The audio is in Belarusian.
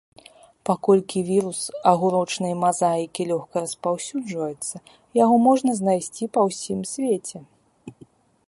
Паколькі вірус агурочнай мазаікі лёгка распаўсюджваецца, яго можна знайсці па ўсім свеце.